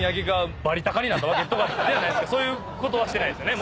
そういうことはしてないですよね？